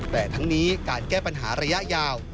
แต่ทั้งนี้การแก้ปัญหาระยะยาว